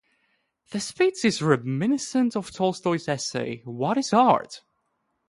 The speech is reminiscent of Tolstoy's essay, What is Art?